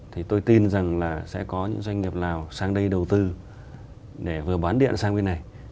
thì tôi tin rằng là sẽ có những doanh nghiệp lào sang đây đầu tư để vừa bán điện sang bên này